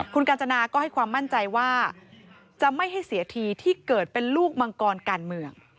คุณกาญจนาก็ให้ความมั่นใจว่าจะไม่ให้เสียทีที่เกิดเป็นลูกมังกรการเมือง